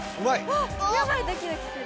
ヤバいドキドキする。